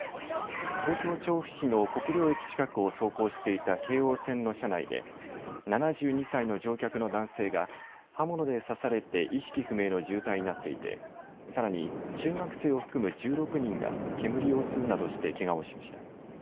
東京調布市の国領駅近くを走行していた京王線の車内で７２歳の乗客の男性が刃物で刺されて意識不明の重体になっていてさらに中学生を含む１６人が煙を吸うなどしてけがをしました。